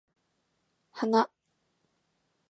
花